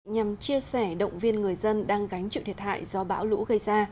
nhằm chia sẻ động viên người dân đang gánh chịu thiệt hại do bão lũ gây ra